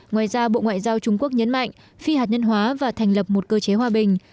ngoài ra bộ ngoại giao trung quốc nhấn mạnh phi hạt nhân hóa và thành lập một cơ chế hòa bình